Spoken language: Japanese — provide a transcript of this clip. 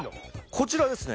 こちらですね